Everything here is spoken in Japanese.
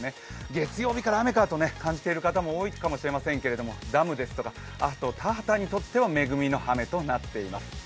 月曜日から雨かと思っている人もいると思いますが、ダムですとか田畑にとっては恵みの雨となっています。